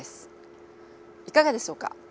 いかがでしょうか？